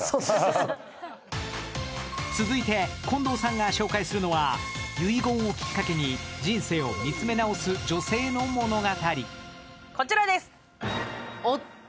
続いて、近藤さんが紹介するのは遺言をきっかけに人生を見つめ直す女性の物語。